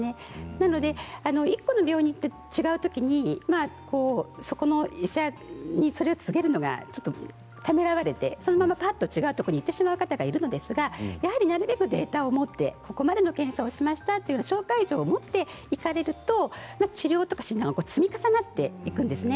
なので１個の病院で違う時にそこの医者にそれを告げるのがためらわれて違うところに行ってしまう方がいるんですがなるべくデータを持ってここまでの検査をしましたということで紹介状を持っていかれると治療は積み重なっていくんですね。